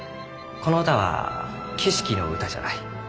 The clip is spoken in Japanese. この歌は景色の歌じゃない。